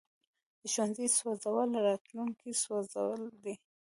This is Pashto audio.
د ښوونځي سوځول راتلونکی سوځول دي.